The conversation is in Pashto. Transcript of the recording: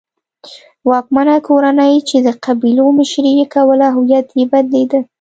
واکمنه کورنۍ چې د قبیلو مشري یې کوله هویت یې بدلېده.